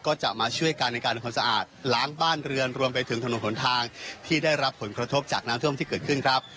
ก็จะมาช่วยกันในการทำความสะอาดล้างบ้านเรือนรวมไปถึงถนนหนทางที่ได้รับผลกระทบจากน้ำท่วมที่เกิดขึ้นครับ